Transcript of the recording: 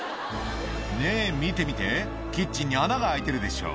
「ねぇ見て見てキッチンに穴が開いてるでしょ」